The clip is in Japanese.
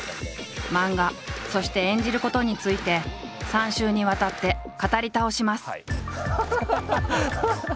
漫画そして演じることについて３週にわたって語り倒します。